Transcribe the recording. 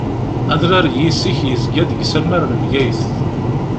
Adrar n Yisek yezga-d deg usammar n Bgayet.